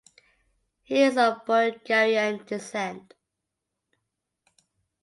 He is of Bulgarian descent.